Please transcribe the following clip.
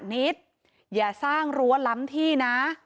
นิดอย่าสร้างรั้วล้ำที่นะ